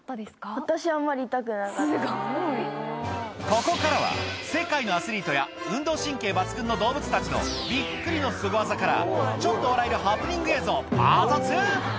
ここからは世界のアスリートや運動神経抜群の動物たちのびっくりのスゴ技からちょっと笑えるハプニング映像パート２！